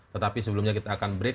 tetapi sebelumnya kita akan break